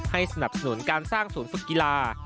สนับสนุนการสร้างศูนย์ฝึกกีฬา